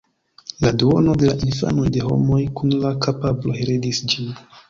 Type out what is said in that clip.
La duono de la infanoj de homoj kun la kapablo heredis ĝin.